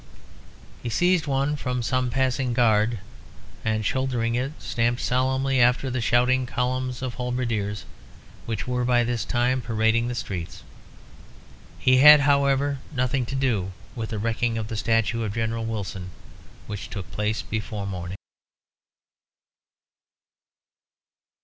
He seized one from some passing guard, and, shouldering it, stamped solemnly after the shouting columns of halberdiers which were, by this time, parading the streets. He had, however, nothing to do with the wrecking of the statue of General Wilson, which took place before morning.